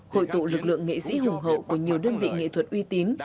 hội tụ lực lượng nghệ sĩ hùng hậu của nhiều đơn vị nghệ thuật uy tín